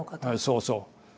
そうそう。